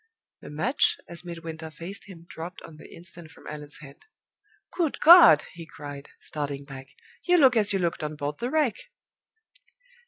The match, as Midwinter faced him, dropped on the instant from Allan's hand. "Good God!" he cried, starting back, "you look as you looked on board the Wreck!"